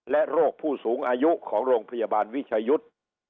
และโรคผู้สูงอายุของโรงพยาบาลวิชายุทธ์